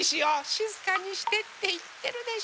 しずかにしてっていってるでしょ。